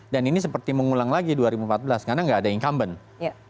dan ini seperti mengulang lagi dua ribu empat belas karena gak ada incumbent